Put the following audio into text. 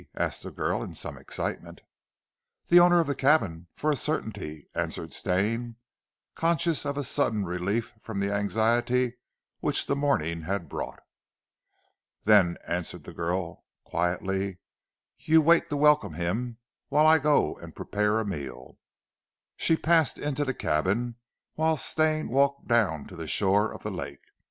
asked the girl in some excitement. "The owner of the cabin for a certainty!" answered Stane, conscious of a sudden relief from the anxiety which the morning had brought. "Then," answered the girl quietly, "you wait to welcome him, whilst I go and prepare a meal." She passed into the cabin, whilst Stane walked down to the shore of the lake.